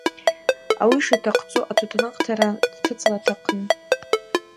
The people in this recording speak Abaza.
Ауи йшитахъдзу атутанакътара дтыцӏра атахъын.